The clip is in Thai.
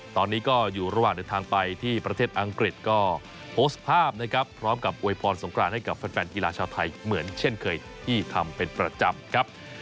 ตอนนี้ก็อยู่ระหว่างเดินทางไปที่ประเทศอังกฤษก็โพสต์ภาพนะครับพร้อมกับอวยพรสงครานให้กับแฟนกีฬาชาวไทยเหมือนเช่นเคยที่ทำเป็นประจำครับ